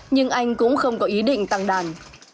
nhưng anh cũng không có ý định tăng đàn